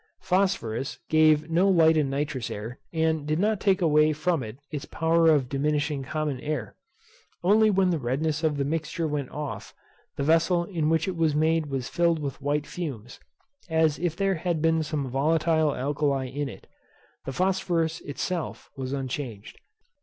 Phosphorus gave no light in nitrous air, and did not take away from its power of diminishing common air; only when the redness of the mixture went off, the vessel in which it was made was filled with white fumes, as if there had been some volatile alkali in it. The phosphorus itself was unchanged.